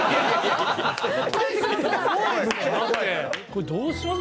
これどうします？